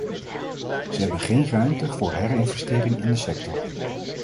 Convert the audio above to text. Ze hebben geen ruimte voor herinvestering in de sector.